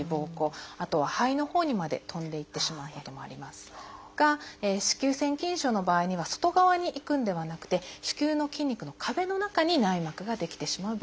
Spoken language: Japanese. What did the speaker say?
あとは肺のほうにまで飛んでいってしまうこともありますが子宮腺筋症の場合には外側に行くんではなくて子宮の筋肉の壁の中に内膜が出来てしまう病気です。